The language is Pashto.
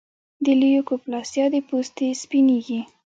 د لیوکوپلاسیا د پوستې سپینېږي.